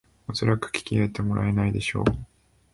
おそらく聞き入れてもらえないでしょう